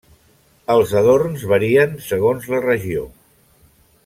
Els adorns varien segons la regió.